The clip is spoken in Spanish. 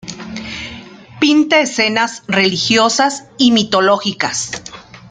Pinta escenas religiosas y mitológicas.